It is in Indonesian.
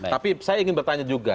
tapi saya ingin bertanya juga